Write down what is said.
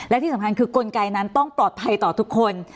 และที่สำคัญคือกลไกนั้นต้องปลอดภัยต่อทุกคน